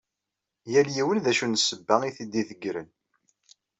Yal yiwen d acu n ssebba i t-id-ideggren.